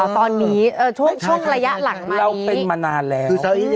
ตอนนี้ช่วงระยะหลังเราเป็นมานานแล้ว